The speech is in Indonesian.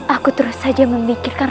aku terus saja memikirkan